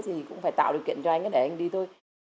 thì cũng phải tạo điều kiện cho anh ấy để anh đi thôi